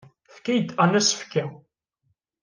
Tefka-iyi-d Ann asefk-a.